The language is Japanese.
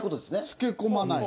漬け込まない。